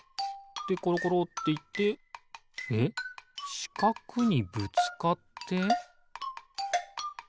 でころころっていってえっしかくにぶつかって？